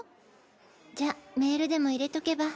じゃあメールでも入れとけば？